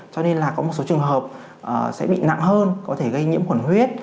cho nên là có một số trường hợp sẽ bị nặng hơn có thể gây nhiễm khuẩn huyết